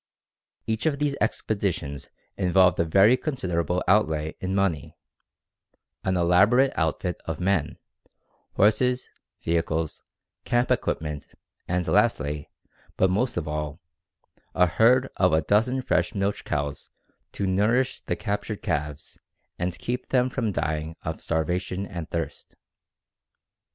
Each of these expeditious involved a very considerable outlay in money, an elaborate "outfit" of men, horses, vehicles, camp equipage, and lastly, but most important of all, a herd of a dozen fresh milch cows to nourish the captured calves and keep them from dying of starvation and thirst.